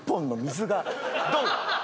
ドン！